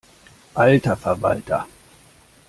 Alter Verwalter!